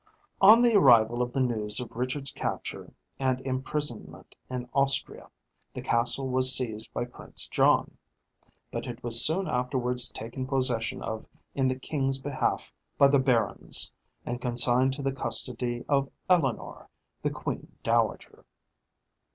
On the arrival of the news of Richard's capture and imprisonment in Austria, the castle was seized by Prince John; but it was soon afterwards taken possession of in the king's behalf by the barons, and consigned to the custody of Eleanor, the queen dowager.